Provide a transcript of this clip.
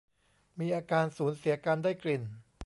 มีอาการสูญเสียการได้กลิ่น